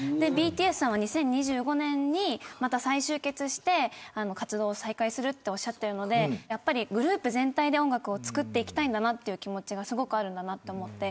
ＢＴＳさんは２０２５年にまた再集結して活動を再開するとおっしゃっているのでグループ全体で音楽を作りたいんだなという気持ちがあるんだなと思って。